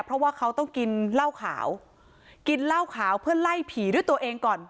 เพราะว่าเขาต้องกินเหล้าขาวกินเหล้าขาวเพื่อไล่ผีด้วยตัวเองก่อน